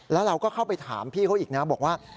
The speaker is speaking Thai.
แล้วเราก็เข้าไปถามพี่เขาอีกนะบอกว่า